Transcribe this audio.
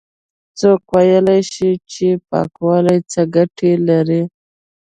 څوک ويلاى شي چې پاکوالی څه گټې لري؟